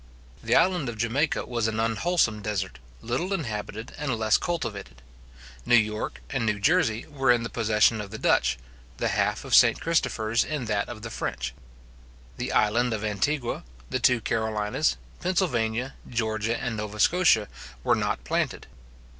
The island of Jamaica was an unwholesome desert, little inhabited, and less cultivated. New York and New Jersey were in the possession of the Dutch, the half of St. Christopher's in that of the French. The island of Antigua, the two Carolinas, Pennsylvania, Georgia, and Nova Scotia, were not planted.